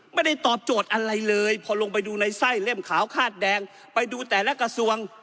ไม่ได้ตอบโจทย์อะไรเลยพอลงไปดูในไส้เล่มขาวคาดแดงไปดูแต่ละกระทรวง